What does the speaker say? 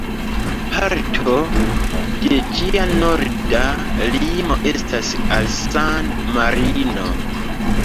Parto de ĝia norda limo estas al San-Marino.